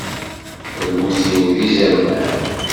Lmut-iw d izerman.